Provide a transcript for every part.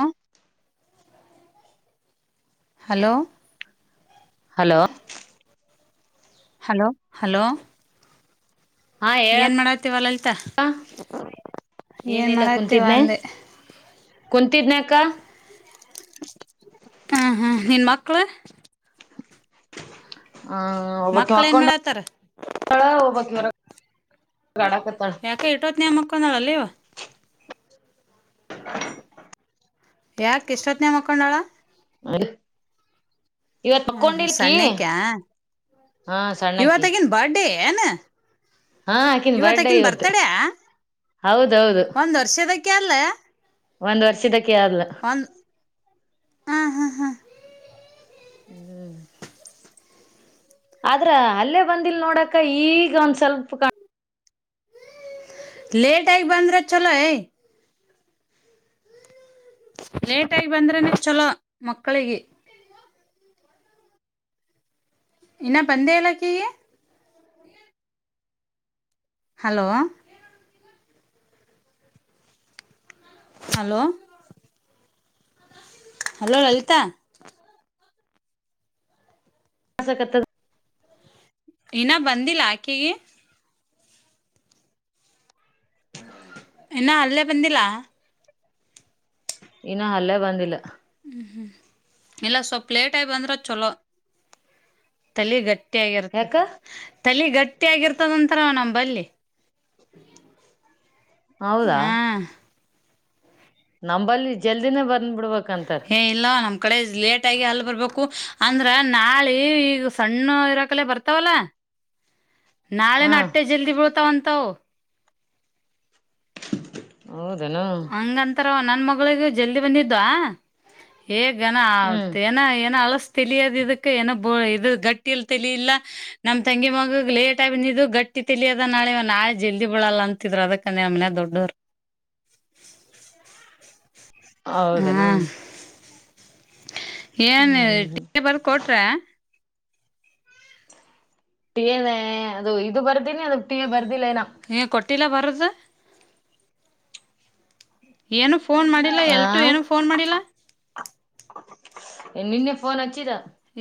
ಹ hello hello hello hello ಹಾ ಏನ್ ಹೇಳಕ್ಕ ಮಾಡತಿವ ಲಲ್ತಾ ಏನ್ ಏನಿಲ್ಲ ಮಾಡತವ [unintelligible] ಕುಂತಿದ್ನೆ ಅಂದೆ ಕುಂತಿದ್ನಕ್ಕ ಹ್ಮ ಹ್ಮ್ ನಿನ್ ಮಕ್ಳ ಮಕ್ಳ [unintelligible] ಏನ್ ಮಾಡತಾರ [unintelligible] ಆಡಾಕತ್ತಾಳ ಯಾಕ [unintelligible] [unintelligible] ಯಾಕ್ ಇಷ್ಟೊತ್ತನ [unintelligible] ಮಕೊಂಡ್ಯಾಳ ಅ [unintelligible] ಹಾ ಸಣ್ಣಕ [unintelligible] ಹಾ ಸಣ್ಣಕ್ಕಿ ಇವತ್ತಗನ್ ಬರ್ಡೇ ಏನು ಹಾ ಆಕಿನ್ ಬರ್ಡೇ ಇವತ್ತಕನ್ ಇವತ್ತು ಬರ್ತಾಡ ಹಾ ಹೌದೌದು ಒಂದ್ ವರ್ಷದಕ್ಕೆ ಅಲ್ಲ ಒಂದ್ ವರ್ಷದ ಒಂದ ಹ ಹಾ ಹಾ ಆದ್ರ ಅಲ್ಲೇ ಬಂದಿಲ್ ನೋಡಕ ಈಗ ಒಂದ್ ಸ್ವಲ್ಪ ಕಾಣ ಲೆಟ್ [unintelligible] ಬಂದ್ರ ಚಲ ಲೇಟಾಗಿ ಬಂದ್ರನೆ ಚಲೋ ಮಕ್ಕಳಿಗೆ ಇನ್ನ ಬಂದೆ ಎಲ್ಲ [unintelligible] ಹಲೋ ಹಲೋ ಹಲೋ ಲಲಿತಾ ಆಸ ಕತ್ತ ಇನ ಬಂದಿಲ್ಲ ಆಕೆಗೆ ಹ್ಮ ಇನ್ನ ಅಲ್ಲೇ ಬಂದಿಲ್ಲ ಇನ್ನು ಅಲ್ಲೇ ಬಂದಿಲ್ಲ ಹ್ಞ ಹ್ಞೂ ಇಲ್ಲ ಸ್ವಲ್ಪ ಲೇಟಾಗಿ ಅಂದ್ರೆ ಚಲೋ ತಲೆ ಗಟ್ಟಿ ಗಟ್ಟಿ ಆಾಗಿರ್ತ ಯಾಕ ತಲೆ ಗಟ್ಟಿ ಆಗಿರ್ತದ ನಂರ ನಮ್ಮ ಬಲ್ಲಿ [unintelligible] ಹೌದಾ ನಂಬಲ್ಲಿ ಜಲ್ದಿನೇ ಬರ್ ಬಂದ್ ಬಿಡ್ಬೇಕಂತಾರ ಏ ಇಲ್ಲ ನಮ್ ಕಡೆ ಲೇಟ್ ಆಗಿ ಅಲ್ಲಿ ಬರ್ಬೇಕು ಅಂದ್ರ ನಾಳೆ ಈಗ ಸಣ್ಣ ಇರಕಲೆ ಬರ್ತಾವಲ್ಲ ನಾಳೆ ಹಾ ನ ಅೆ ಜಲ್ದಿ ಬೀಳ್ತಾವಂತ ಕುತ್ತೋ ಹೌದನಾ ಹಂಗಂತಾರ ನನ್ ಮಗಳಗ ಜಲ್ದಿ ಬಂದಿದ್ದ ಹೇಗನಾ ಹ್ಮ್ ಆತ್ ಏನ ಏನ ಅಲ ತಲಿಯದ ಇದಕ್ಕ ಏನೋ ಇದ ಗಟ್ಟಿಯಲ್ಲಿ ತಲಿಲ್ಲಾ ನಮ್ ತಂಗಿ ಮಗಗ್ ಲೇಟ್ ಆಗಂದಿದ್ದು ಗಟ್ಟಿ ತಲಿಯದ ನಾಳೆ ನಾಳೆ ಜಲ್ದಿ ಬಳಲ್ಲ ಅಂತಿದ್ರರು ಅದಕ್ಕಂದ ಮನೆ ದೊಡ್ಡವರು ಹಾ ಹೌದನಾ ಏನ್ ಟ ಬರ್ ಕೊಟ್ರ ನ ಅದು ಇದು ಬರ್ತೀನಿ ಅದುಟ್ಟೀ ಬರ್ತಿ ದಿಲೇನ ಟಿಲ ವರದು ಏನು ಫೋನ್ ಮಾಡಿಲ್ಲಾ ಆ ಎಲ್ಟು ಏನು ಫೋನ್ ಮಾಡಿಲ್ಲಾ ನಿನ್ನೆ ಫೋನ್ ಹಚ್ಚಿದ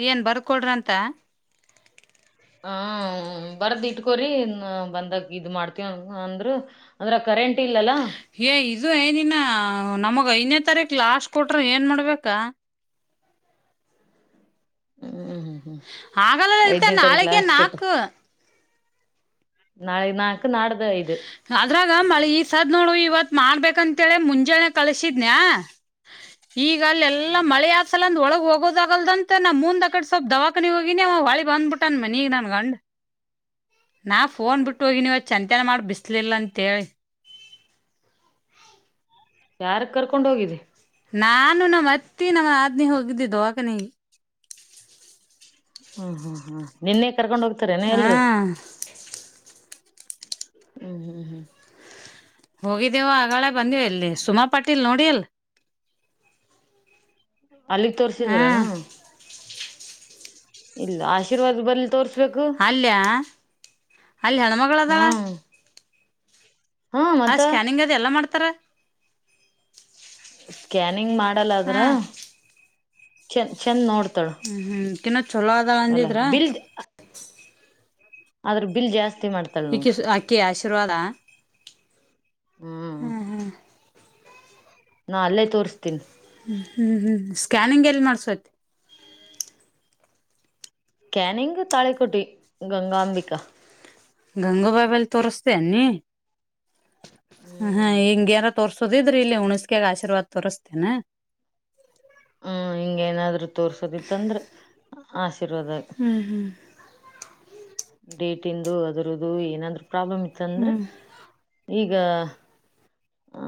ಏನ್ ಬರ್ಕೊಡ್ರಂತ ಹ ಬರದ್ ಇಟ್ಕೋರಿಿ ಬಂದಾಗ ಇದ್ ಮಾಡ್ತವ ಅಂದ್ರರು ಅಂದ್ರ ಕರೆಂಟ್ ಇಲ್ಲಲ್ಲ ಏ ಇದು ಏನಿನ ನಮಗ ನ್ ತಾರೀಕ ಲಾಸ್ಟ್ ಕೊಟ್ರೆ ಏನ್ ಮಾಡ್ಬೇಕಾ ಹ್ಮ್ ಹ್ಮ್ ಹ್ಮ್ ಹಾಗಲ್ಲ ಹೇಳ್ತ ಐದನೇ ತಾರೀಕು ನಾಳೆಗೆ ಲಾಸ್ಟ್ ಕೊಟ್ಟು ನಾಕೂ ನಾಳೆ ನಾ ಅದ್ರಾಗ ಮಳೆ ಈ ಸಾದ್ ನೋಡ್ ಇವತ್ ಮಾಡ್ಬೇಕಂತ್ ತೇಳಳೆ ಮುಂಜಾನೆ ಕಳಸಿದ್ನಯ ಈಗ ಅಲ್ಲ ಎಲ್ಲಾಲ ಮಳೆ ಆದ ಒಂದ ಒಳ ಹೋಗೋದಗಲ್ದಂತ ನಾ ಮುಂದ್ ಅಕಡೆ ಸ್ವಲ್ಪ್ ದವಾಖಾನೆ ಹೋಗಿನಳಿ ಬಂದ್ಬಿಟ್ಟ ಅ ಮನ ನನ್ ಗಂಡ್ ನಾ ಫೋನ್ ಬಿಟ್ಟು ಹೋಗಿನಿ ಚ ನ ಮಾಡಿ ಬಿಸ್ಲಿಲ್ಲ ಅಂತೇಳಿ ಯಾರಗ್ ಕರ್ಕೊಂಡ್ ಹೋಗಿದ್ದಿ ನಾನು ನಮ್ಮ್ ಅತ್ತಿ ನಮ್ಮ ಆದ್ನ ಹೋಗಿದ್ದಿ ದವಕನಿಗೆ ಹ್ಮ್ ಹ್ಮ್ ಹ್ಮ್ ನಿನ್ನೆ ಕರ್ಕೊಂಡ್ ಹೋಗ್ತಾರನ ಹಾ ಎಲ್ರು ಹ್ಮ್ ಹ್ಮ್ ಹ್ಮ್ ಹೋಗಿದ್ದೇವು ಆಗಳ ಬಂದ್ವಿ ಎಲ್ಲಿ ಸುಮಾಟೀಲ್ ನೋಡಿ ಧಿಲ್ ಅಲ್ಲಿಗ್ ಹಾ ತೋರ್ಸಿದ್ರನು ಇಲ್ಲ ಆಶೀರ್ವಾದ ಬರ್ಲಿ ತೋರ್ಸ ಅಲ್ಯ ಅಲ್ಲಿಯ ಹೆಣ್ಮಳ ಅದಾಳ ಹ್ಮ್ ಹಾ ಆ ಮತ್ತ ಸ್ಕ್ಯಿಂಗ ಅದ ಎಲ್ಲಾ ಮಾಡ್ ಕತ್ರ ಸ್ಕ್ಯಾನ ನಿಂಗ್ ಮಾಡಲ್ಲದ್ರ ಚ ಚೆಂದ್ ನೋಡ್ತ ಹ್ಮ್ ಹ್ಮ್ [unintelligible] ಚೊಲೋ ಅದಳ ಅಂದಿದ್ರ ಆದ್ರುದು ಬಿಲ್ ಜಾಸ್ತಿ ಮಾಡ್ತಾಳ ಇಕ್ಕಿ ನೋಡ್ರಿ ಅಕ್ಕಿ ಆಶೀರ್ವಾದ ಹ್ಮ್ ಹ್ಮ ಹಾ ನಾ ಅಲ್ಲೇ ತೋರ್ಸ್ತೀನಿ ಹ್ಮ್ ಹ್ಮ್ ಸ್ಕ್ಯಾನಿಂಗ್ ಎಲ್ಲಿ ಮಾಡ್ಸೋತಿ ಕ್ಯಾನಿಂಗ್ ತಾಳೆಕೋಟಿ ಗಂಗಾಂಬಿಕಾ ಗಂಗಾಬಬ ಅಲ್ಲಿ ತೋರಿಸ್ತ ನೀ ಹಾ ಹ್ಮ್ ಹೆಂಗೆ ಯಾರ ತೋರ್ಸೋದಿದ್ರಿ ಇಲ್ಲಿ ಹುಣಸಕ್ಯಾಗ ಆಶೀರ್ವಾದ್ ತೋರ್ಸ್ತೇನ ಹ್ಮ್ ಹಿಂಗೇಏನಾದ್ರು ತೋರ್ಸೋದಿತ್ತಂದ್ರ ಆಸೆ [unintelligible] ಹ್ಮ್ ಹ್ಮ್ ಡೇಟ್ ತಿಂದು ಅದ್ರದು ಏನಂದ್ರು ಪ್ರಾಬ್ಲಮ ಇತ್ತು ಅಂದ್ರೆ ಹ್ಮ್ ಈಗ ಆ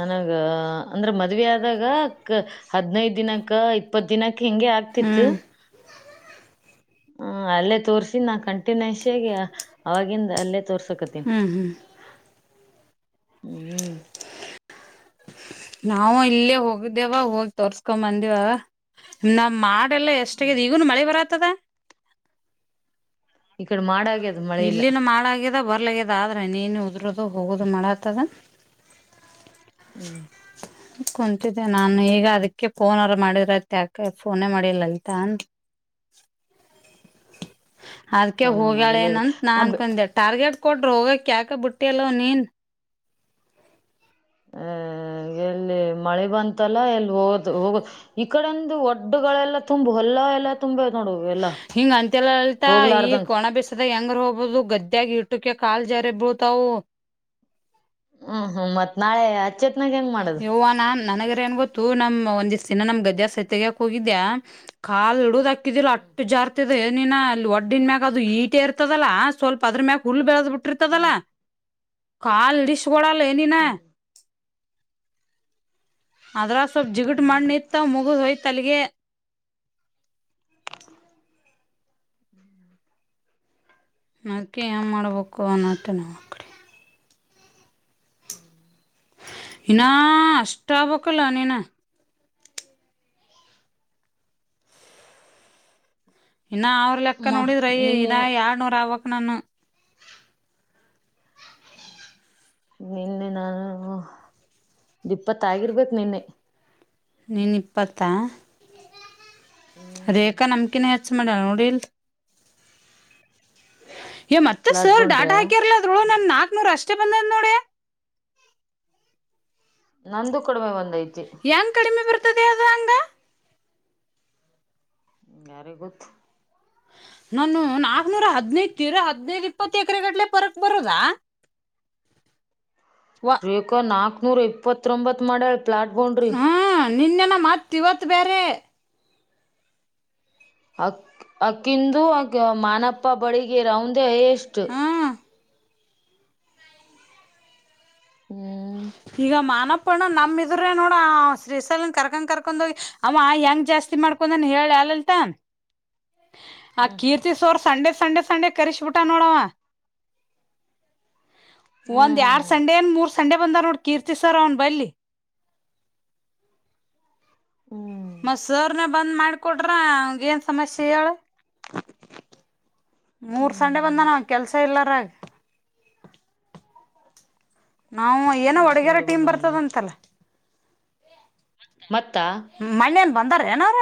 ನನಗ ಅಂದ್ರೆ ಮದುವೆ ಆದಾಗ ಹದಿನೈದು ದಿನಕ ಇಪ್ಪತ್ತು ದಿನಕ್ಕೆ ಹೆಂಗೆ ಆಗ್ತಿತ್ತು ಹ್ಮ್ ಹ ಅಲ್ಲೇ ತೋರ್ಸಿ ನಾ ಕಂಟಿನ್ಯಷ್ಯಗೆ ಆವಾಗಿಂದ ಅಲ್ಲೇ ತೋರ್ಸಕತ್ತನಿ ಹ್ಮ್ ಹ್ಮ್ ಹ್ಮ್ ನಾವು ಇಲ್ಲೇ ಹೋಗ್ದೇವ ಹೋಗಿ ತೋರ್ಸ್ಕೊ ಬಂದಿವ ನಾಮ್ ಮಾಡ ಎಲ್ಲ ಎಷ್ಟ ಹ್ಮ್ ಆಗಿದೆ ಈಗನು ಮಳೆ ಬರತ್ತದ ಈ ಕಡೆ ಮಾಡಾಗ ಇಲ್ಲಿನ ಮಾಡಗದೆ ಬರಲಾಗಿದ ಆದ್ರ ಹನಿ ಹನಿ ಉದ್ರದು ಹೋಗದು ಮಾಡಕತ್ತಾದ ಹ್ಮ್ ಕುಂತಿದ್ದೆ ನಾನು ಈಗ ಅದಕ್ಕೆ ಫೋನ್ ಅವ್ರ ಮಾಡಿದ್ರತ್ ಯಾಕ ಫೋನೇ ಮಾಡಿಲ್ಲಂತ ಅ ಅದಕೆ ಫೋನ ಹೋಗಾಳೆ ಮಾಡಿಲ್ಲ ಇವತ್ತು ಅಂತ ನಾ ಅನ್ಕೊಂಡೆ ಟಾರ್ಗೆಟ್ ಕೊಡ್ರರು ಹೋಗ ಕ್ಯಾಕ ಬುಟ್ಟಿ ಅಲ್ಲ ನೀನ್ ಅ ಎಲ್ಲಿ ಮಳೆ ಬಂತಲ್ಲ ಎಲ್ಲಿ ಹೋದು ಹೋಗ ಈ ಕಡೆಂದು ಒಡ್ಡಗಳೆಲ್ಲ ತುಂಬು ಹೊಲ್ಲ ಎಲ್ಲಾ ತುಂಬೇದ್ ನೋಡು ಎಲ್ಲಾ ಹಿಂಗ ಅಂತೆಲ್ಲ ಅಲ್ತಾ ಈ ಹೋಗ್ಲಾರ್ದಂಗ ಒಣ ಬಿಸದಾಗ ಹೆಂಗರಾ ಹೋಗಬಹುದು ಗದ್ದ್ಯಾಗಿ ಇಟ್ಟುಕ ಕಾಲ್ ಜರೆ ಬೋಳ್ತವ ಹ್ಮ್ ಹ್ಮ್ ಮತ್ ನಾಳೆ ಅಚ್ಚತ್ನಾಗ ಹೆಂಗ್ ಮಾಡದು ಯವ್ವ ನಾ ನನಗೆ ಏನ್ ಗೊತ್ತು ನಮ್ ಒಂದ್ ದಿಸ್ ದಿನ ನಮ್ ಗದ್ದೆ ತಗಾಕ್ ಹೋಗಿದ್ದ್ಯಾ ಕಾಲ್ ಹಿಡುದಾಕ ಕೆದನು ಅಟ ಜಾರ್ ನಲ್ಲಿ ಒಡ್ಡಿನ ಮ್ಯಾಗ ಅದು ಈಟೆ ಇರ್ತದಲ್ಲ ಸ್ವಲ್ಪ ಅದ್ರ ಮ್ಯಾಗ ಹುಲ್ಲ ಬೆಳೆದ ಬಿಟ್ಟು ಬಿಟ್ಟತದಲ್ಲ ಹ್ಮ್ ಕಾಲ್ ಚೋಡಾಲ ಎನಿ ನ ಹ್ಮ್ ಅದ್ರ ಸ್ವಲ್ಪ್ ಜಿಗಟು ಮಣ್ಣ ನಿತ್ ಮುಗ್ಡೊಯ್ತು ತೆಲ್ಲಿಗೆ ಹ್ಮ್ ಅದಕ್ಕೆ ಏನು ಮಾಡ್ಬೇಕು ಅನ್ನತ್ತೆ ಅ ಕಡೆ ಹ್ಮ್ ಇನ್ನ ಅಷ್ಟಾಬೆಕ್ಕಲನಿನ ಇನ್ನ ಅವ್ರ ಲೆಕ್ಕ ಮ ನೋಡಿದ್ರೈ ನಿನ್ನೆ ಇನ್ನ ಯರ್ಡ್ನೂರ್ ಆಗ್ಬೇಕು ನಾನು ನಿನ್ನೆ ನಾನು ಇಪ್ಪತ್ತಾಗಿರ್ಬೇಕು ನಿನ್ನೆ ನಿನಿಪ್ಪತ್ತ ಹ್ಮ್ ರೇಖಾ ನಮ್ಕಿನ ಹೆಚ್ಚು ಮಾಡ್ಯಾಳ ನೋಡಿ ಇಲ್ಲ ಮತ್ತೆ ಲಾಟ್ ಸರ್ ಡಾಟ ಬೊಂಡ್ರೆ ಹಾಕ್ಯಾರ್ ಅಲ್ಲ ಅದರ ಒಳಗೆ ನಾಕ್ ನೂರ್ ಅಷ್ಟೇ ಬಂದದ ನೋಡಿ ನಂದು ಕಡಿಮೆ ಒಂದೈತು ಯಾನ್ ಕಡಿಮೆ ಬರ್ ಬರ್ತುದೆ ಆದಂಗ ಯಾರಿ ಗೊತ್ತು ನಾನು ನಾಕ್ನೂರ ಹದ್ನೈತರ ಹದ್ನೈದು ಇಪ್ಪತ್ತು ಎಕರೆಗಡ್ಲೆ ಪರಕ್ ಬರದಾ ವಿಕೋ ನಕ್ ನೂರ ಇಪ್ಪತ್ರೊಂಬತ್ತು ಮಾಡ್ಯಾಳ ಪ್ಲಾಟ್ ಬೌಂಡ್ರಿ ಹ್ಮ್ ನಿನ್ನೆನ ಮತ್ ಇವತ್ ಬ್ಯಾರೆ ಅಕ್ ಅಕ್ಕಿಂದು ಅಗ ಮಾನಪ್ಪ ಬಡಿಗೇರ ಅವಂದೇ ಹೈಯೆಸ್ಟ್ ಅಷ್ಟ ಹ್ಮ್ ಹ್ಮ್ ಈಗ ಮಾನಪ್ಪ ಅಣ್ಣ ನಮ್ಮ ಇದ್ರೆ ನೋಡ ಶ್ರೀಶೈಲ ನಾ ಕರ್ಕೊಂಡ್ ಕರ್ಕೊಂಡೋಗಿ ಅವ ಹೆಂಗ ಜಾಸ್ತಿ ಮಾಡ್ಕೊಂಡನ್ ಹೇಳ್ಯ ಲಲಿತಾ ಆ ಕೀರ್ತಿ ಸೋರ್ ಸಂಡೆ ಸಂಡೆ ಸಂಡೆ ಕರಿಸಿ ಬಿಟ್ಟನ್ ನೋಡವ ಒಂದ್ ಹ್ಮ್ ಹ್ಮ್ ಹ್ಮ್ ಎರಡ್ ಸಂಡೆ ಏನ್ ಮೂರ್ ಸಂಡೆ ಬಂದಾರ ನೋಡ ಕೀರ್ತಿ ಸರ್ ಅವನು ಬಲ್ಲಿ ಹ್ಮ್ [unintelligible] ಮತ್ತು ಸರ್ ನೆ ಬಂದ್ ಮಾಡ್ಕೊಟ್ರ ಅವ್ನ ಗೆನ್ ಸಮಸ್ಯೆ ಹೇಳ ಮೂರ್ ಸಂಡೆ ಬಂದನ ಹ್ಮ್ ಅವ ಕೆಲ್ಸ ಇಲ್ಲರಾಗ ನಾವು ಏನೋ ಒಡಗರ ಸಂಡೆ ಬಂದ ಟೀಮ್ ನಾನು ಬರ್ತದಂತಲ್ಲ ಮತ್ತ ಮಣ್ಣೇನ್ ಬಂದಾರ ಏನ್ ಅವರ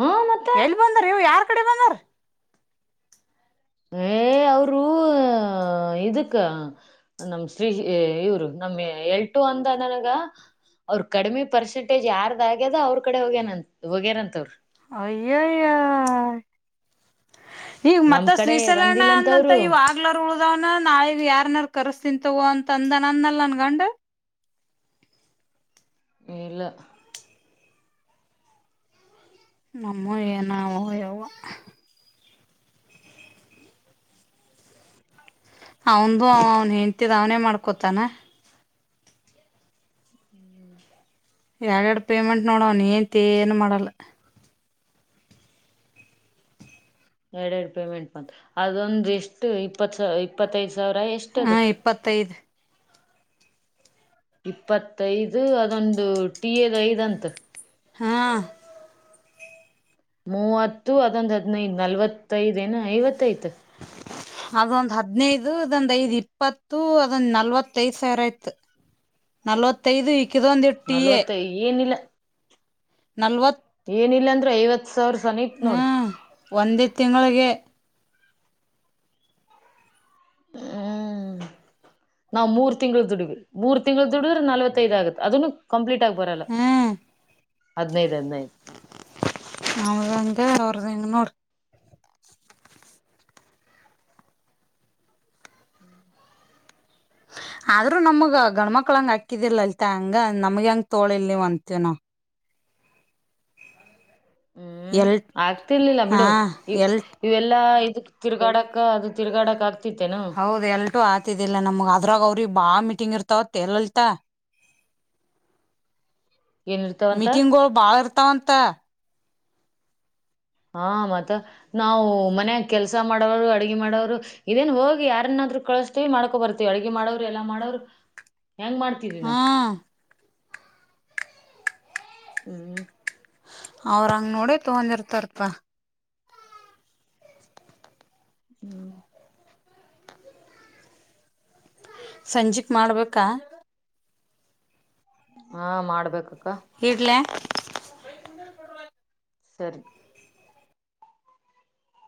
ಹ್ಮ ಮತ್ತ ಎಲ್ಲಿ ಬಂದ್ರ ಇವು ಯಾರ್ ಕಡೆ ಬಂದಾರ ಏ ಅವರುೂ ಇದಕ್ಕ ನಮ ಶ್ರೀ ಇವ್ರು ನಮ್ ಎಳ್ಟು ಅಂದ ನನಗ ಅವ್ರ ಕಡಿಮೆ ಪರ್ಸೆಂಟೇಜ್ ಯಾರ್ದ ಆಗ್ಯದ ಅವ್ರ ಕಡೆ ಹೋಗ್ಯನ ಹೋಗ್ಯಾರಂತವರು ಅಯ್ಯಾಯ ಈಗ ನಮ್ ಮತ್ತ ಕಡೆ ಶ್ರೀಶೈಲ ಅಣ್ಣ ಬಂದಿಲ್ಲಂತವ್ರು ಅಂದಂತ ಈವ ಆಗ್ಲಾರರ್ ಉಳ್ದವನ ನಾಳಗ ಯಾರ್ನಾರ ಕರಸ ತಿಂತವ ಅಂತ ಅಂದ ನ ಅಂದಲ್ಲ ನನ್ಗಂಡ ಇಲ್ಲಾ ಹ [inaudible] ಎಏ ನವು ಯುವಾ [unintelligible] ಅವ್ನದೂ ಅವ ಅವನ್ ಹೆಂಡ್ತಿ ಆಣೆ ಮಾಡ್ಕೊತಾನ ಎಡ್ ಎಡ್ಡ ಪೇಮೆಂಟ್ ನೋಡ ಅವ್ನ ಹೆಂಡ್ತಿ ಏನ್ ಮಾಡಲ್ಲ ಎರಡ್ ಎರಡು ಪೇಮೆಂಟ್ ಮ ಅದೊಂದ ಇಷ್ಟು ಇಪ್ಪತ್ತು ಇಪ್ಪತ್ತೈದು ಸಾವಿರ ಎಷ್ಟ ಹಾ ಅದಕ್ಕ ಇಪ್ಪತ್ತೈದು ಇಪ್ಪತ್ತೈದು ಅದೊಂದು ಟಿ ಎದ ಐದ್ಂತ ಹಾ ಮೂವತ್ತು ಅದೊಂದು ಹದನೈದು ನಲ್ವತ್ತೈದ ನ ಐವತ್ತೈತ ಅದೊಂದು್ ಹದ್ಿನೈದು ಅದು ಇದೊಂದ ಐದು ಇಪ್ಪತ್ತು ್ ನಲವತ್ತೈದು ಸಾವರ ಆಯ್ತು ನಲವತ್ತೈದು ನಲ್ವತ್ತು ಏನಿಲ್ಲ ನಲ್ವತ್ ಏನಿಲ್ಲಾಂದ್ರೆ ಐವತ್ತು ಹ್ಮ ಒಂದೇ ತಿಂಗಳಿಗೆ ಹ್ಮ್ ನಾವವು್ ಮೂರ್ ತಿಂಗಳು ದುಡ್ವಿ ಮೂರ್ ತಿಂಗಳು ದುಡಿದ್ರೆ ನಲ್ವತ್ತೈದು್ ಆಗುತ್ತೆ ಅದನ್ನು ಕಂಪ್ಲೀಟ್ ಬರಲ್ಲ ಹದಿನೈದು ನವಗಂಗ ನೋಡಿ ಹ್ಮ್ ಆದ್ರೂ ನಮಗ ಗಂಡ್ಮಕ್ಳ ಹಂಗ ಅಕಿದಿಿಲ್ಲಲ ಅಲ್ತ ಹಂಗ ನಮಗ ಹೆಂಗ ತೋಳಿಲ್ ನೀವ ಅಂತೀ ನ ಹ್ಮ್ ಎಲ್ ಆಗ್ತಿರ್ಲಿಲ್ಲ ಹಾ ಬಿಡು ಎಲ್ ಇವೆಲ್ಲಾ ತಿರ್ಗಾಡಕ್ಕ ಅದು ತಿರ್ಗಾಕ್ ಆಗ್ತ ಹೌದ್ ಎಲ್ಟು ಆತಿದ್ದಿಲ್ಲ ನಮಗ್ ಅದ್ರಾಗ ಅವ್ರಿ ಬಾ ಮಿಟ್ಟ ಇರ್ತಾವ ಎಲ್ಲಲ್ತಾ ಏನ್ ಇರ್ತಾವಂತ ಮಿಟಿಂಗ್ಗಳು ಬಾಲ ದಂತ ಹಾ ಮತ್ತ ನಾವು ಮನ್ಯಾಗ ಕೆಲ್ಸ ಮಾಡೋರು ಅಡ್ಗೆ ಮಾಡೋರು ಇದೇನ್ ಹೋಗಿ ಯಾರನಾದ್ರು ಕಳಸ್ತೀವಿ ಮಾಡ್ಕೊ ಬರ್ತೀವಿ ಅಡ್ಗೆ ಮಾಡೋರು ಎಲ್ಲಾ ಮಾಡವರು ಹೆಂಗ್ ಮಾಡ್ತಿದ ನಾ ಹ್ಮ್ ಹ್ಮ್ ಅವ್ರಂಗ ನೋಡಿ ತಗೊಂಡಿರ್ತಾರಪ [inaudible] ಸಂಜಿಕ ಮಾಡ್ಬೇಕಾ ಹಾ ಮಾಡ್ಬೇಕು ಇಡ್ಲ [inaudible] ಸರಿ